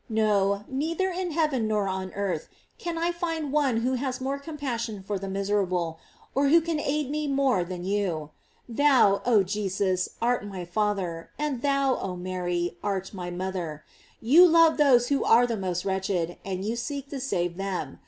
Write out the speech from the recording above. No, neither in heaven nor on earth can I find one who has more compassion for the miserable, or who can aid me more than you. Thou, oh Jesus, art my father, and thou, oh Mary, art my mother. You love those who are the most wretched, and you seek to save them.